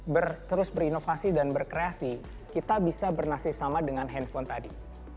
terus berinovasi dan berkreasi kita bisa bernasib sama dengan handphone tadi